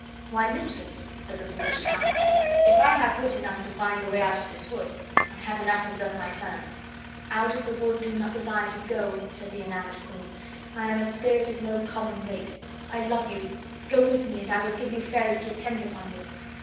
"Why, mistress," said the foolish clown, "if I have wit enough to find the way out of this wood, I have enough to serve my turn." "Out of the wood do not desire to go," said the enamoured queen. "I am a spirit of no common rate. I love you. Go with me, and I will give you fairies to attend upon you."